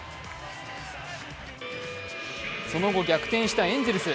その後、逆転したエンゼルス。